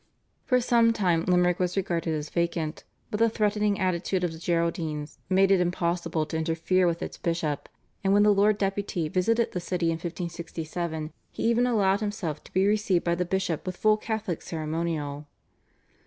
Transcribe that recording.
For some time Limerick was regarded as vacant, but the threatening attitude of the Geraldines made it impossible to interfere with its bishop, and when the Lord Deputy visited the city in 1567 he even allowed himself to be received by the bishop with full Catholic ceremonial.